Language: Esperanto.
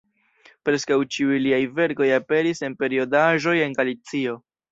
Preskaŭ ĉiuj liaj verkoj aperis en periodaĵoj de Galicio.